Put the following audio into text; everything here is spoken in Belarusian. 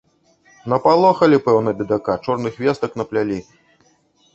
Напалохалі, пэўна, бедака, чорных вестак наплялі!